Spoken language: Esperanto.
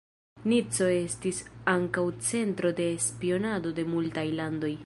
Nico estis ankaŭ centro de spionado de multaj landoj.